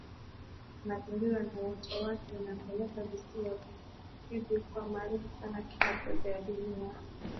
Mazingira na uoto wake imepelekea visiwa hivyo kuwa maarufu sana kila pembe ya dunia